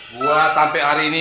gua sampe hari ini